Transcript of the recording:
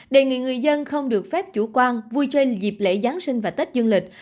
đề nghị người dân không được phép chủ quan vui chơi dịp lễ giáng sinh và tết dương lịch